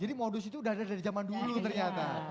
jadi modus itu udah ada dari zaman dulu ternyata